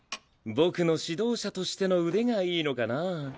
僕の指導者としての腕がいいのかなぁ。